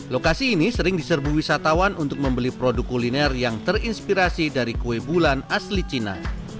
lokasi ini sering diserbu wisatawan untuk membeli produk kuliner yang terinspirasi dari kue bulan asli cina